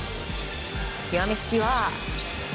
極め付きは。